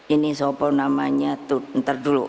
ini siapa namanya tuh ntar dulu